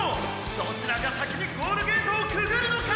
どちらが先にゴールゲートをくぐるのか⁉」